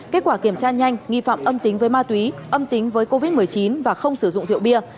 kết quả kiểm tra nhanh nghi phạm âm tính với ma túy âm tính với covid một mươi chín và không sử dụng rượu bia